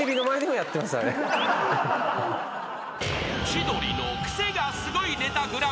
［『千鳥のクセがスゴいネタＧＰ』］